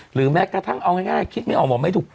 แม้กระทั่งเอาง่ายคิดไม่ออกบอกไม่ถูก